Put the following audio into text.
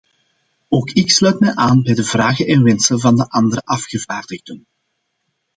Ook ik sluit mij aan bij de vragen en wensen van de andere afgevaardigden.